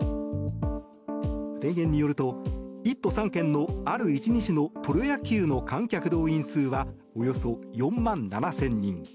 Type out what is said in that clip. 提言によると１都３県のある１日のプロ野球の観客動員数はおよそ４万７０００人。